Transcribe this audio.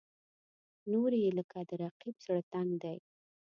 نورې یې لکه د رقیب زړه تنګ دي.